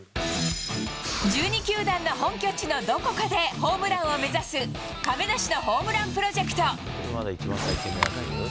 １２球団の本拠地のどこかでホームランを目指す、亀梨のホームランプロジェクト。